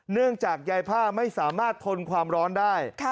ยายผ้าไม่สามารถทนความร้อนได้